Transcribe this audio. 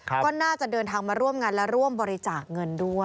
ก็น่าจะเดินทางมาร่วมงานและร่วมบริจาคเงินด้วย